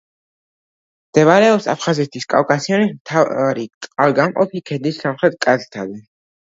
მდებარეობს აფხაზეთის კავკასიონის მთავარი წყალგამყოფი ქედის სამხრეთ კალთაზე.